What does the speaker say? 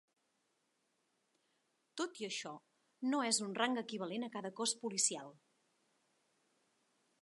Tot i això, no és un rang equivalent a cada cos policial.